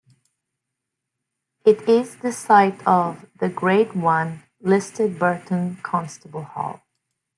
It is the site of the Grade One listed Burton Constable Hall.